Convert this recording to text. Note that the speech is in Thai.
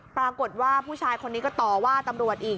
ปรากฏว่าผู้ชายคนนี้ก็ต่อว่าตำรวจอีก